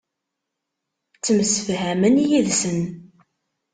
Ttemsefhamen yid-sen.